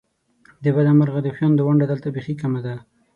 د بده مرغه د خوېندو ونډه دلته بیخې کمه ده !